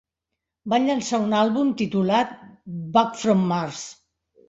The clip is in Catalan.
Van llançar un àlbum titulat "Back From Mars".